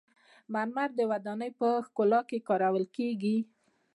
مرمر د ودانیو په ښکلا کې کارول کیږي.